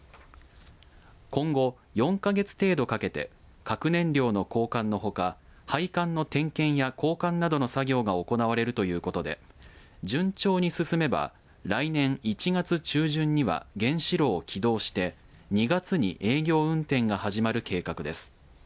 今後４か月程度かけて核燃料の交換のほか配管の点検や交換などの作業が行われるということで順調に進めば来年１月中旬には原子炉を起動して２月に営業運転が始まる計画です。